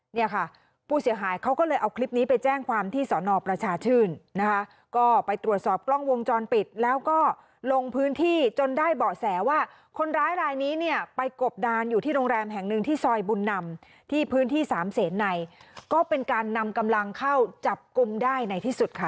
เนี่ยค่ะผู้เสียหายเขาก็เลยเอาคลิปนี้ไปแจ้งความที่สอนอประชาชื่นนะคะก็ไปตรวจสอบกล้องวงจรปิดแล้วก็ลงพื้นที่จนได้เบาะแสว่าคนร้ายรายนี้เนี่ยไปกบดานอยู่ที่โรงแรมแห่งหนึ่งที่ซอยบุญนำที่พื้นที่สามเศษในก็เป็นการนำกำลังเข้าจับกลุ่มได้ในที่สุดค่ะ